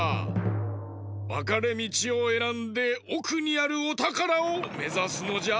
わかれみちをえらんでおくにあるおたからをめざすのじゃ。